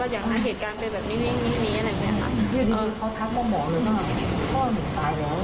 อยากทำเหตุการณ์เป็นแบบนี้อะไรแบบนี้